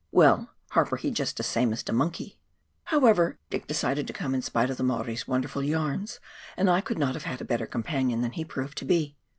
" Well, Harper, he just same as de monkey !" However, Dick decided to come in spite of the Maori's won derful yarns, and I could not have had a better companion than he proved to be.